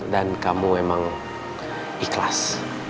dan kamu memang ikhlas